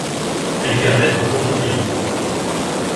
Elle gardait un profond silence.